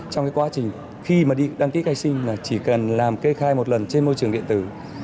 trong cái quá trình khi mà đi đăng ký khai sinh là chỉ cần làm kê khai một lần trên môi trường điện tử